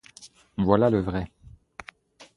Voilà le vrai.